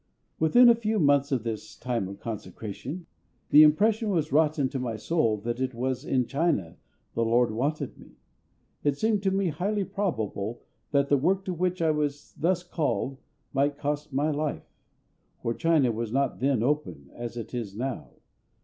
Within a few months of this time of consecration the impression was wrought into my soul that it was in China the LORD wanted me. It seemed to me highly probable that the work to which I was thus called might cost my life; for China was not then open as it is now.